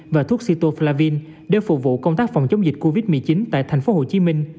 và thuốc cetoflavine để phục vụ công tác phòng chống dịch covid một mươi chín tại tp hcm